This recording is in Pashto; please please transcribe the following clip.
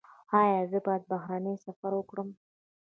ایا زه باید بهرنی سفر وکړم؟